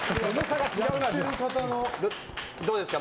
・どうですか？